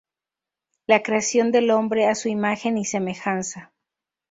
La creación del hombre "a su imagen y semejanza".